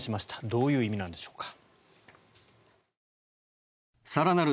どういう意味なんでしょうか。